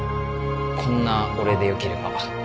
こんな俺でよければ